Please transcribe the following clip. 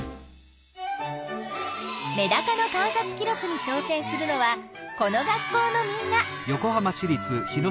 メダカの観察記録にちょう戦するのはこの学校のみんな。